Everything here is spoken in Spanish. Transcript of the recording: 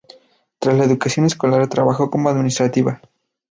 Tras la educación escolar, trabajó como administrativa.